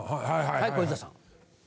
はい小遊三さん。